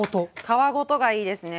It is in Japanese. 皮ごとがいいですね。